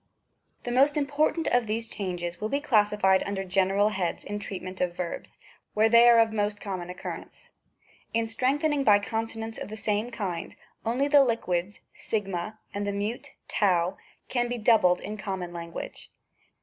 The most important of these changes will be classified under general heads in treat ing of verbs, where they are of most common occur rence. In strengthening by consonants of the same kind, only the liquids, ctyfiUy and the mute r can be doubled in common language.